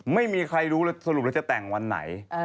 ไม่มีใครรู้สรุปว่าจะแต่งวันไหน